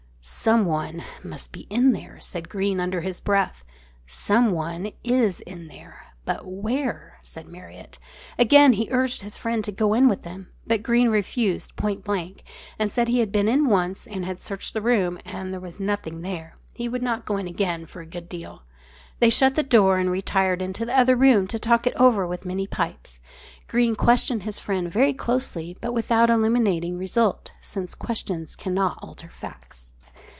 "Someone must be in there," said Greene under his breath. "Someone is in there, but where?" said Marriott. Again he urged his friend to go in with him. But Greene refused point blank; said he had been in once and had searched the room and there was nothing there. He would not go in again for a good deal. They shut the door and retired into the other room to talk it all over with many pipes. Greene questioned his friend very closely, but without illuminating result, since questions cannot alter facts.